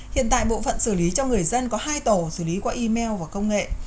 hiện tại bộ phận xử lý cho người dân có hai tổ xử lý qua email và công nghệ